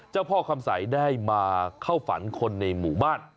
เจ้าพ่อคำใสได้มาเข้าฝันคนในหมู่บ้าน